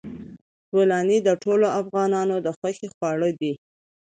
بولاني د ټولو افغانانو د خوښې خواړه دي.